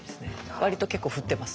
割と結構振ってます。